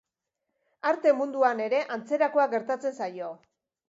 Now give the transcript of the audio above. Arte munduan ere antzerakoa gertatzen zaio.